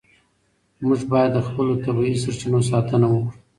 موږ باید د خپلو طبیعي سرچینو ساتنه وکړو.